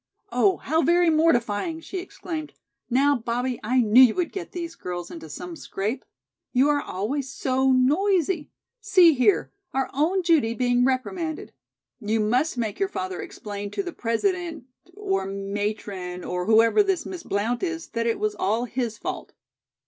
"Oh, how very mortifying," she exclaimed. "Now, Bobbie, I knew you would get these girls into some scrape. You are always so noisy. See here! Our own Judy being reprimanded! You must make your father explain to the President or Matron or whoever this Miss Blount is, that it was all his fault."